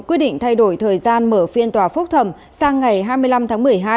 quyết định thay đổi thời gian mở phiên tòa phúc thẩm sang ngày hai mươi năm tháng một mươi hai